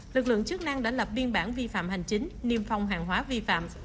lực lượng chức năng đã lập biên bản vi phạm hành chính niêm phong hàng hóa vi phạm